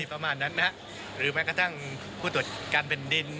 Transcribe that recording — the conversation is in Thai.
ประมาณนั้นนะฮะหรือแม้กระทั่งผู้ตรวจการแผ่นดิน